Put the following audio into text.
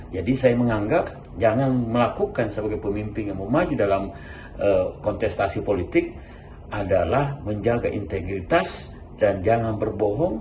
jadi saya menganggap jangan melakukan sebagai pemimpin yang mau maju dalam kontestasi politik adalah menjaga integritas dan jangan berbohong